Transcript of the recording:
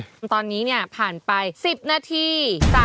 ตอนนี้ผ่านไป๑๐นาที